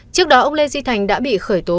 trước đó ông lê duy thành đã bị khởi tố